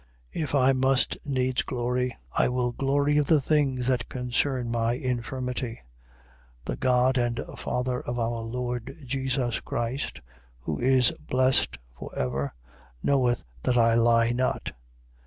11:30. If I must needs glory, I will glory of the things that concern my infirmity. 11:31. The God and Father of our Lord Jesus Christ, who is blessed for ever, knoweth that I lie not.